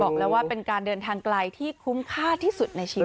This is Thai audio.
บอกแล้วว่าเป็นการเดินทางไกลที่คุ้มค่าที่สุดในชีวิต